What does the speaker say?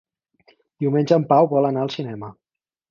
Diumenge en Pau vol anar al cinema.